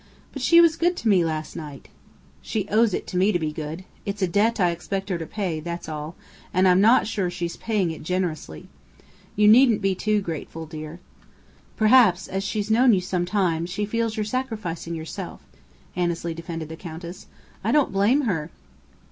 "But she was good to me last night!" "She owes it to me to be good. It's a debt I expect her to pay, that's all, and I'm not sure she's paying it generously. You needn't be too grateful, dear." "Perhaps, as she's known you some time, she feels you're sacrificing yourself," Annesley defended the Countess. "I don't blame her!"